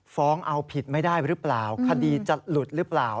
ฟ้องเอาผิดไม่ได้หรือเปล่าคดีจะหลุดหรือเปล่า